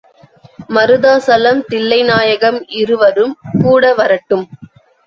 மருதாசலம், தில்லைநாயகம் இருவரும் கூட வரட்டும்.